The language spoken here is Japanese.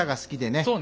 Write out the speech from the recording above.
そうね。